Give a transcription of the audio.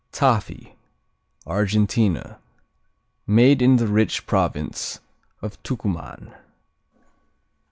Tafi Argentina Made in the rich province of Tucuman.